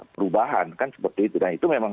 perubahan kan seperti itu dan itu memang